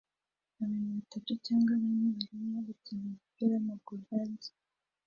Abantu batatu cyangwa bane barimo gukina umupira wamaguru hanze